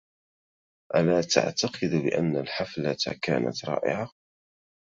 ألا تعتقد بأن الحفلة كانت رائعة؟